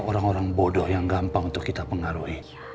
orang orang bodoh yang gampang untuk kita pengaruhi